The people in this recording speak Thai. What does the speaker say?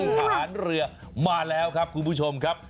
ฐานเรือมาแล้วครับคุณผู้ชมครับ